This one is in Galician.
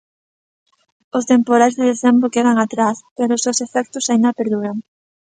Os temporais de decembro quedan atrás, pero os seus efectos aínda perduran.